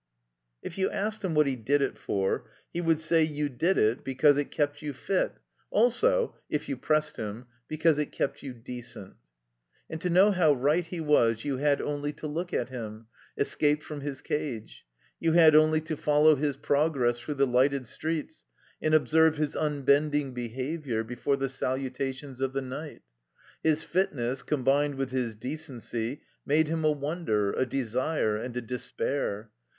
If you asked him what he did it for, he would say you did it because it kept you fit, also (if you pressed him) because it kept you decent. And to know how right he was you had only to look at him, escaped from his cage ; you had only to follow his progress through the lighted streets and observe his imbending behavior before the saluta tions of the night. His fitness, combined with 'his decency, made him a wonder, a desire, and a despair.